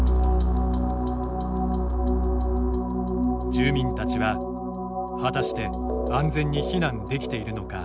住民たちは、果たして安全に避難できているのか。